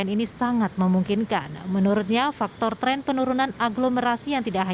menurutnya faktor tren penurunan agglomerasi yang tidak terjadi adalah karena agglomerasi yang tidak terjadi